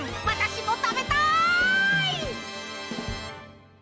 私も食べたい！